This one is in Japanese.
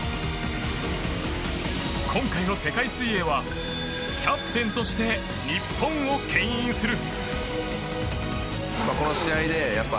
今回の世界水泳はキャプテンとして日本をけん引する。